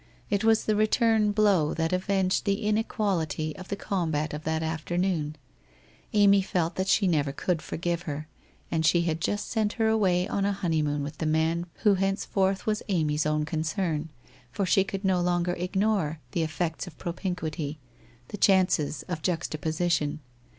It was the return blow that avenged the inequality of the combat of that after noon. Amy felt that she never could forgive her, and she had just sent her away on a honeymoon with the man who henceforth was Amy's own concern, for she could no longer ignore the effects of propinquity, the chances of juxtaposition.